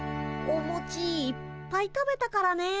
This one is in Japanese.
おもちいっぱい食べたからねえ。